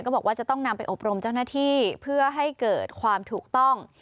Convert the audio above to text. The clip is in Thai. บอกว่าจะต้องนำไปอบรมเจ้าหน้าที่เพื่อให้เกิดความถูกต้อง